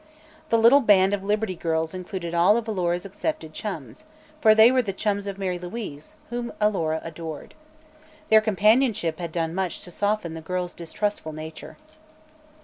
The little band of Liberty Girls included all of Alora's accepted chums, for they were the chums of Mary Louise, whom Alora adored. Their companionship had done much to soften the girl's distrustful nature.